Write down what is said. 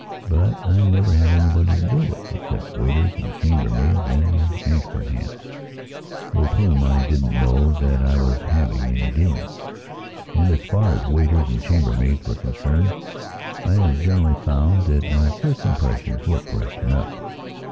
But I never had anybody to deal with except waiters and chambermaids and the Ashburnhams, with whom I didn't know that I was having any dealings. And, as far as waiters and chambermaids were concerned, I have generally found that my first impressions were correct enough.